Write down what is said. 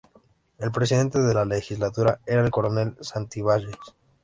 El presidente de la legislatura era el coronel Santibáñez.